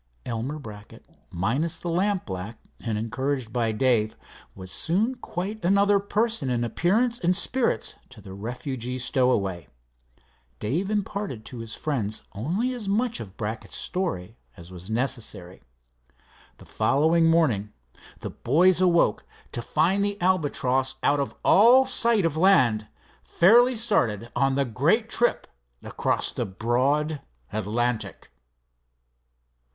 Elmer Brackett, minus the lampblack and encouraged by Dave, was soon quite another person in appearance and spirits to the refugee stowaway. Dave imparted to his friends only as much of Brackett's story as was necessary. The following morning the boys awoke to find the Albatross out of all sight of land, fairly started on the great trip across the broad Atlantic.